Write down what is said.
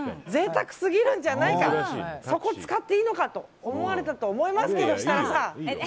贅沢すぎるんじゃないかとそこを使っていいのかと思われたと思いますけど設楽さん。